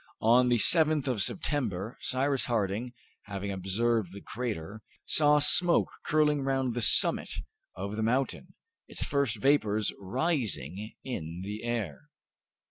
On the 7th of September, Cyrus Harding, having observed the crater, saw smoke curling round the summit of the mountain, its first vapors rising in the air.